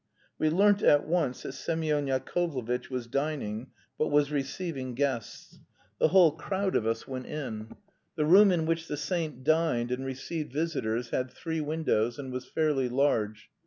We learnt at once that Semyon Yakovlevitch was dining, but was receiving guests. The whole crowd of us went in. The room in which the saint dined and received visitors had three windows, and was fairly large.